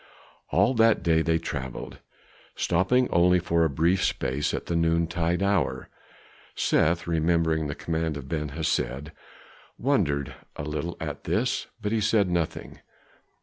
All that day they traveled, stopping only for a brief space at the noontide hour. Seth, remembering the command of Ben Hesed, wondered a little at this, but he said nothing.